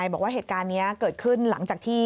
บอกว่าเหตุการณ์นี้เกิดขึ้นหลังจากที่